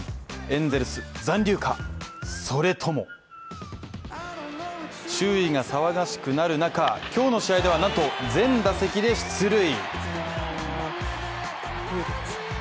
エンゼルス残留か、それとも周囲が騒がしくなる中今日の試合ではなんと、全打席で出塁。